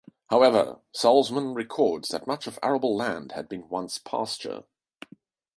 However, Salzman records that much of arable land had once been pasture.